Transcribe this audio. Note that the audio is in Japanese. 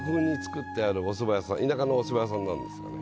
田舎のお蕎麦屋さんなんですがね